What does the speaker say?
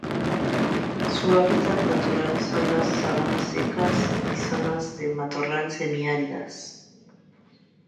Su hábitat natural son las sabanas secas y zonas de matorral semiáridas.